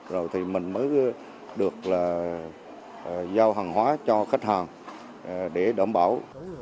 rồi thì mình mới được là giao hàng hóa cho khách hàng để đảm bảo